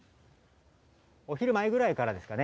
お昼前ぐらいですかね。